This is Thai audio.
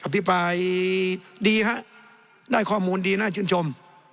พิปรายดีฮะได้ข้อมูลดีน่าชื่นชม